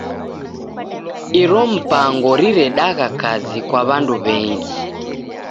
Iro mipango riredagha kazi kwa w'andu w'engi.